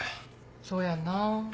そうやんな。